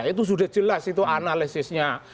itu sudah jelas itu analisisnya